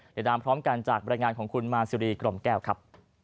เดี๋ยวตามพร้อมกันจากบรรยายงานของคุณมาซิรีกล่อมแก้วครับ